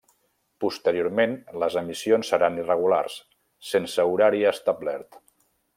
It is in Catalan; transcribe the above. Posteriorment les emissions seran irregulars, sense horari establert.